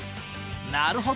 なるほど！